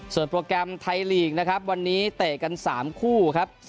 ส่วนโปรแกรมไทยลีกนะครับวันนี้เตะกัน๓คู่ครับ